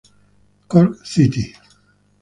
Cork City.